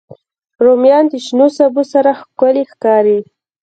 رومیان د شنو سبو سره ښکلي ښکاري